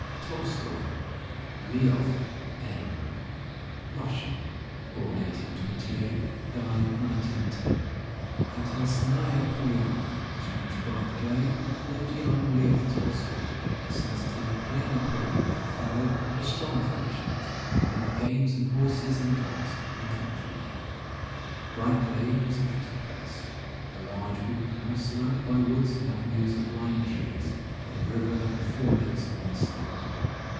TOLSTOY, LYOF N. (Russian, 1828 1910) At Yasnaya Polyana, which means bright glade'', lived young Lyof Tolstoy, a sensitive, plain appearing little fellow of strong affections who loved games, and horses, and dogs, and country life. Bright Glade was a pretty place, a large wooden house sur rounded by woods and avenues of lime trees, with a river and four lakes on the estate.